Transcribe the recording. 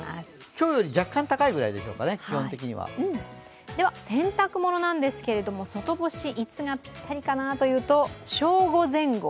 今日より若干高いぐらいでしょうかね、気温的には洗濯物なんですが、外干しいつがぴったりかなというと正午前後。